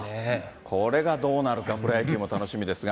これがどうなるか、プロ野球も楽しみですが。